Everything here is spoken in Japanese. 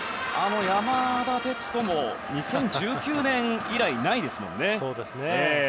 山田哲人も２０１９年以来ないですもんね。